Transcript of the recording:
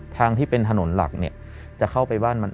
ที่เป็นถนนหลักเนี่ยจะเข้าไปบ้านมัน